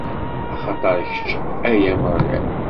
Axaṭer kečč, a Ameɣlal.